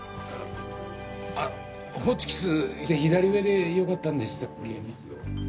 あっホチキス左上でよかったんでしたっけ？